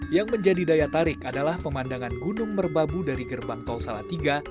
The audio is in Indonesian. yang menjadi daya tarik adalah pemandangan gunung merbabu dari gerbang tol salatiga